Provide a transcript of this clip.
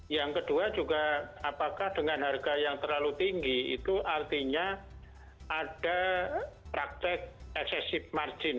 yang kedua juga apakah dengan harga yang terlalu tinggi itu artinya ada praktek excessive margin